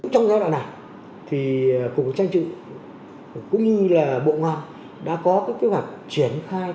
trong giai đoạn này thì cục trang trực cũng như là bộ ngoại đã có các kế hoạch triển khai